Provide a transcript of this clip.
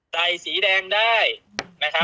สีแดงได้นะครับ